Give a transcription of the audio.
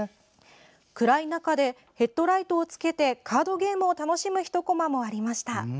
暗い中でヘッドライトをつけてカードゲームを楽しむ一こまもありました。